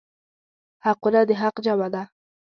حقونه د حق جمع ده.